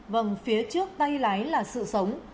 vâng phía trước tay lái là sự sống